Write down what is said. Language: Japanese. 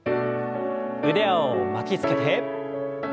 腕を巻きつけて。